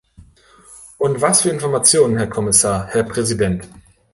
Und was für Informationen, Herr Kommissar, Herr Präsident!